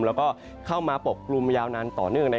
แล้วก็เข้ามาปกกลุ่มยาวนานต่อเนื่อง